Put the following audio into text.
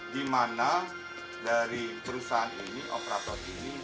di mana dari perusahaan ini operator ini